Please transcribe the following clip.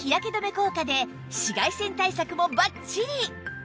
効果で紫外線対策もバッチリ！